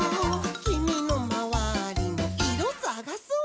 「きみのまわりのいろさがそう」